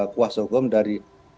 kuasa hukum dari